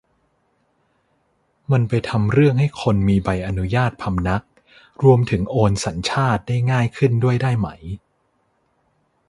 มันไปทำเรื่องให้คนมีใบอนุญาติพำนัก รวมถึงโอนสัญชาติได้ง่ายขึ้นด้วยได้ไหม